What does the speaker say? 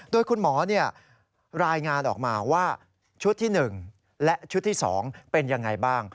โดยคุณหมอรายงานออกมาว่าชุดที่๑และชุดที่๒เป็นยังไงบ้าง